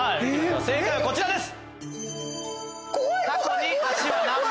正解はこちらです！